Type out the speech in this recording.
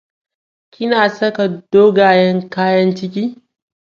Kina saka dogayen kayan ciki?